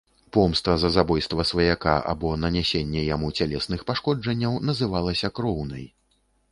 Помста за забойства сваяка або нанясенне яму цялесных пашкоджанняў называлася кроўнай.